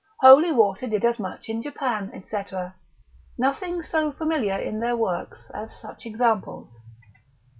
Holy water did as much in Japan, &c. Nothing so familiar in their works, as such examples.